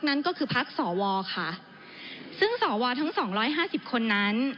นั่นก็คือพักสวค่ะซึ่งสวทั้งสองร้อยห้าสิบคนนั้น